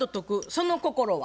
その心は？